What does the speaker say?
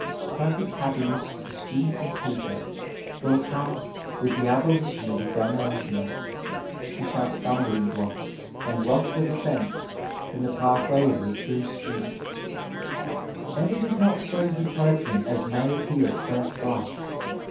Perfect happiness for student and teacher will come with the abolition of examinations, which are stum 210 Digitized byVjOOQlC AFTER TWENTY FIVE YEARS bling blocks and rocks of offence in the pathway of the true student. And it is not so Utopian as may appear at first blush.